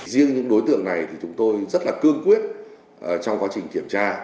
giờ là những đối tượng này chúng tôi rất cường quyết trong kiểm tra